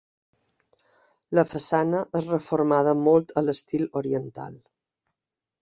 La façana és reformada molt a l'estil oriental.